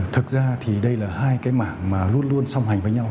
thực ra thì đây là hai cái mảng mà luôn luôn song hành với nhau